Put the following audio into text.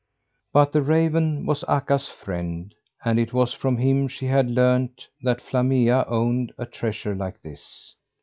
But the raven was Akka's friend; and it was from him she had learned that Flammea owned a treasure like this.